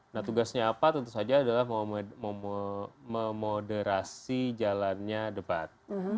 nah tugasnya apa tentu saja adalah memoderasi jalannya debat